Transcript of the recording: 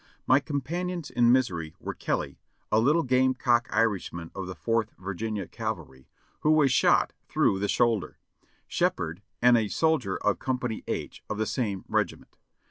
My companions in misery were Kelly, a little game cock Irish man of the Fourth Virginia Cavalry, who was shot through the shoulder; Shepherd and a soldier of Compariy H, of the same regiment.